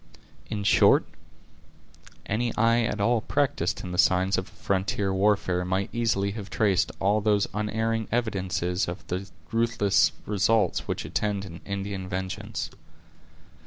In short, any eye at all practised in the signs of a frontier warfare might easily have traced all those unerring evidences of the ruthless results which attend an Indian vengeance.